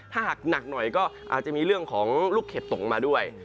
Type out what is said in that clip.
ถ้าหากหนักหน่อยก็อาจจะมีเรื่องของลูกเห็บตกมาด้วย